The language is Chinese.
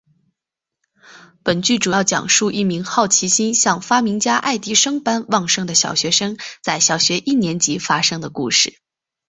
本剧主要讲述一名好奇心像发明家爱迪生般旺盛的小学生在小学一年级发生的故事。